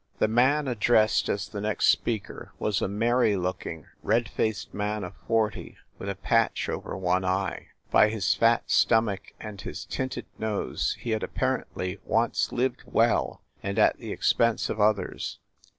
The man addressed as the next speaker was a merry looking, red faced man of forty, with a patch over one eye. By his fat stomach and his tinted nose he had apparently once lived well and at the expense of others.